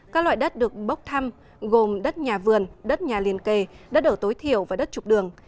các loại đất được bốc thăm gồm đất nhà vườn đất nhà liên kề đất ở tối thiểu và đất trục đường